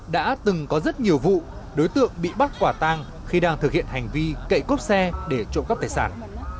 đã từng có rất nhiều vụ đối tượng bị bắt quả tang khi đang thực hiện hành vi cậy cốp xe để trộm cắp tài sản